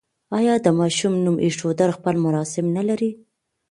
آیا د ماشوم نوم ایښودل خپل مراسم نلري؟